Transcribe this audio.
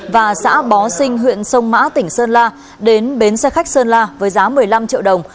và xã bó sinh huyện sông mã tỉnh sơn la đến bến xe khách sơn la với giá một mươi năm triệu đồng